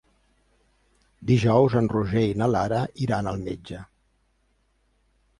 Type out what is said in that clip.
Dijous en Roger i na Lara iran al metge.